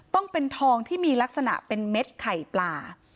ต้องเป็นทองที่มีลักษณะเป็นเม็ดไข่ปลา